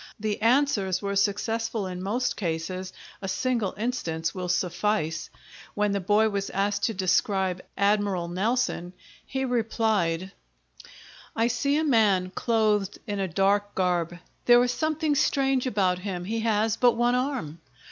The answers were successful in most cases; a single instance will suffice. When the boy was asked to describe Admiral Nelson, he replied: "I see a man clothed in a dark garb; there is something strange about him, he has but one arm."